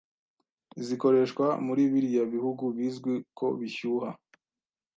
zikoreshwa muri biriya bihugu bizwi ko bishyuha